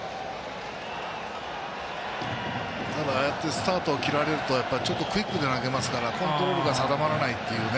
スタートを切られるとちょっとクイックで投げますからコントロールが定まらないという。